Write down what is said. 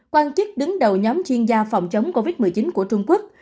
quan chức đứng đầu nhóm chuyên gia phòng chống covid một mươi chín của trung quốc